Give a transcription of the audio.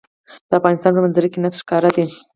د افغانستان په منظره کې نفت ښکاره دي.